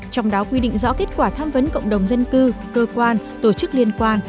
trong đó quy định rõ kết quả tham vấn cộng đồng dân cư cơ quan tổ chức liên quan